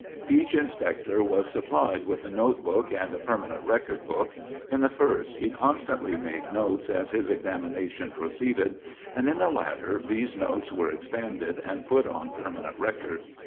Each Inspector was supplied with a notebook and a permanent record book; in the first he constantly made notes as his examination proceeded, and in the latter these notes were expanded and put on permanent record.